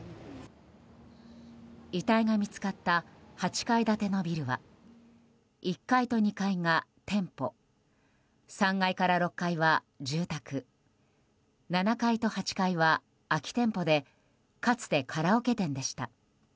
遺体が見つかった８階建てのビルは１階と２階が店舗３階から６階は住宅７階と８階は空き店舗でかつてカラオケ店でした。